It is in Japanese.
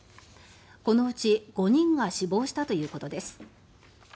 このうち５人が死亡したということです。